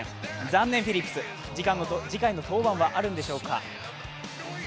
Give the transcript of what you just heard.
残念フィリップス次回の登板はあるんでしょうか。